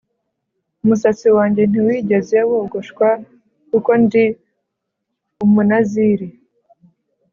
umusatsi wanjye ntiwigeze wogoshwa kuko ndi Umunaziri